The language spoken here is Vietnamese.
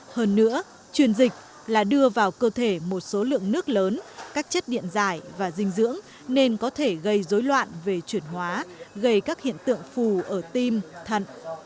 hơn nữa truyền dịch là đưa vào cơ thể một số lượng nước lớn các chất điện giải và dinh dưỡng nên có thể gây dối loạn về chuyển hóa gây các hiện tượng phù ở tim thận